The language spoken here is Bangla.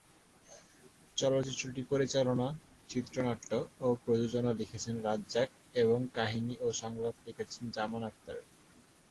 চলচ্চিত্রটি পরিচালনা, চিত্রনাট্য ও প্রযোজনা লিখেছেন রাজ্জাক এবং কাহিনি ও সংলাপ লিখেছেন জামান আখতার।